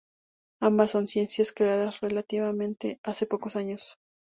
Ambas son ciencias creadas relativamente hace pocos años.